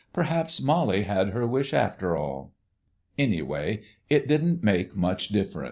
"Perhaps Mollie had her wish after all." Anyway, it didn't make much difference.